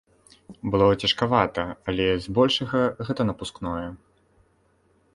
Было цяжкавата, але збольшага гэта напускное.